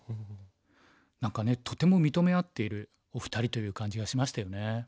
何かねとても認め合っているお二人という感じがしましたよね。